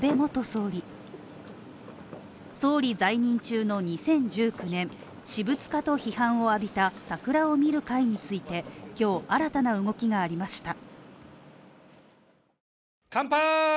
総理在任中の２０１９年、私物化と批判を浴びた桜を見る会について、今日、新たな動きがありました。